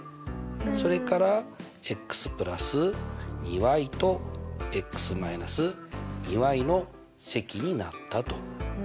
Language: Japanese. それからの積になったと。